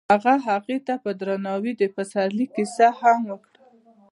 هغه هغې ته په درناوي د پسرلی کیسه هم وکړه.